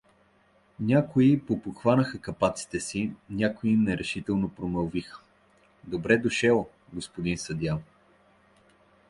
Някой попохванаха калпаците си, някои нерешително промълвиха: „Добре дошел, г-н съдия!“